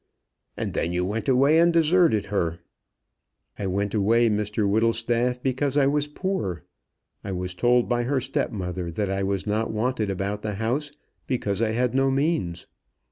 "And then you went away and deserted her." "I went away, Mr Whittlestaff, because I was poor. I was told by her step mother that I was not wanted about the house, because I had no means.